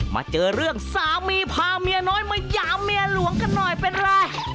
มาเจอเรื่องสามีพาเมียน้อยมาหยามเมียหลวงกันหน่อยเป็นไร